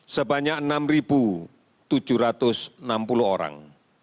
sebanyak enam tujuh ratus enam puluh orang